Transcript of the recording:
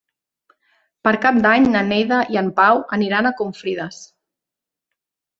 Per Cap d'Any na Neida i en Pau aniran a Confrides.